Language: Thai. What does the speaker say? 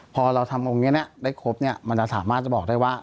พอเราทำองค์นี้ได้ครบมันจะสามารถจะบอกได้ว่า